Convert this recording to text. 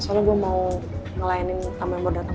soalnya gue mau ngelayanin sama yang mau datang